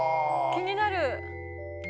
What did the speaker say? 気になる！